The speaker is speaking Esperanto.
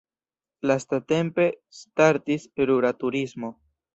Lastatempe startis rura turismo.